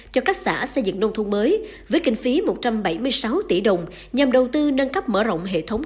cho các xã xây dựng nông thôn mới với kinh phí một trăm bảy mươi sáu tỷ đồng nhằm đầu tư nâng cấp mở rộng